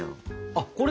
あっこれ？